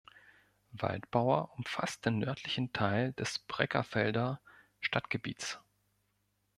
Waldbauer umfasst den nördlichen Teil des Breckerfelder Stadtgebiets.